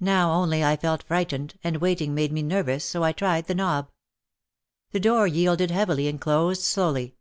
Now only I felt frightened, and waiting made me nervous, so I tried the knob. The door yielded heavily and closed slowly.